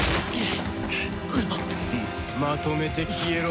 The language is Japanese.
まとめて消えろ！